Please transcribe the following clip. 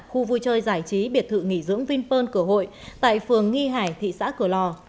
khu vui chơi giải trí biệt thự nghỉ dưỡng vinpearl cửa hội tại phường nghi hải thị xã cửa lò